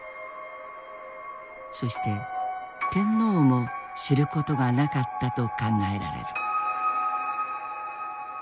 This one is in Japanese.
そして天皇も知ることがなかったと考えられる。